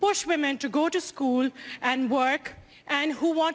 และใครต้องมีความสมบัติกับผู้หญิง